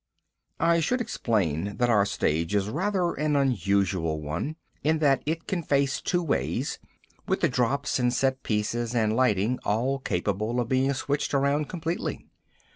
I should explain that our stage is rather an unusual one, in that it can face two ways, with the drops and set pieces and lighting all capable of being switched around completely.